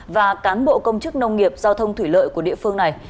và cán bộ công chức nông nghiệp giao thông thủy lợi của địa phương này